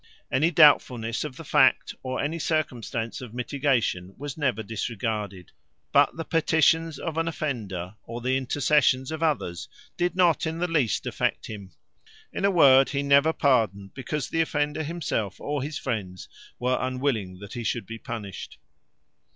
Any doubtfulness of the fact, or any circumstance of mitigation, was never disregarded: but the petitions of an offender, or the intercessions of others, did not in the least affect him. In a word, he never pardoned because the offender himself, or his friends, were unwilling that he should be punished.